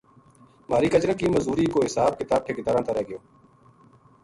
مھاری کچراں کی مزور ی کو حساب کتاب ٹھیکیداراں تا رہ گیو